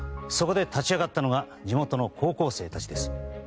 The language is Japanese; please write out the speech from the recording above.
そこで立ち上がったのが地元の高校生たちです。